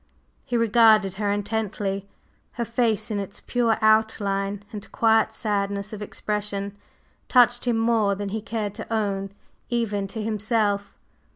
He regarded her intently. Her face in its pure outline and quiet sadness of expression touched him more than he cared to own even to himself.